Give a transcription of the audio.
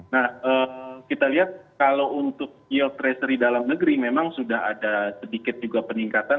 nah kita lihat kalau untuk yield treasury dalam negeri memang sudah ada sedikit juga peningkatan